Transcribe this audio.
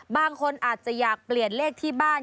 บางคนอาจจะอยากเปลี่ยนเลขที่บ้าน